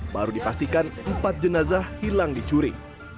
baru dipastikan empat jenazah hilang dicuri